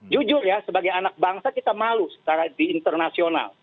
jujur ya sebagai anak bangsa kita malu secara di internasional